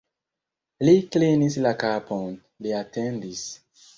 Li klinis la kapon, li atendis.